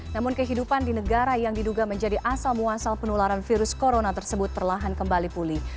namun kehidupan di negara yang diduga menjadi asal muasal penularan virus corona tersebut perlahan kembali pulih